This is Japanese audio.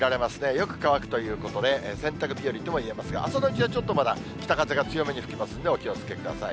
よく乾くということで、洗濯日和ともいえますが、朝のうちはちょっとまだ北風が強めに吹きますんで、お気をつけください。